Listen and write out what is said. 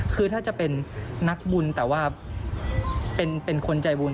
คือถ้าจะเป็นนักบุญแต่ว่าเป็นคนใจบุญ